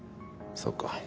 そうか。